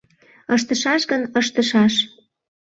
Ыштышаш гын, ыштышаш!